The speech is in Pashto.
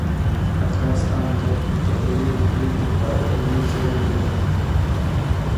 افغانستان د طبیعي زیرمې په اړه علمي څېړنې لري.